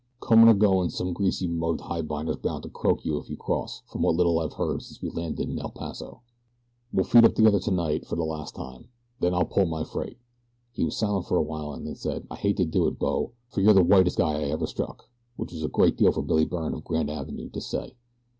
"Comin' or goin' some greasy mugged highbinder's bound to croak you if you cross, from what little I've heard since we landed in El Paso. "We'll feed up together tonight, fer the last time. Then I'll pull my freight." He was silent for a while, and then: "I hate to do it, bo, fer you're the whitest guy I ever struck," which was a great deal for Billy Byrne of Grand Avenue to say.